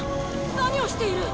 何をしている！？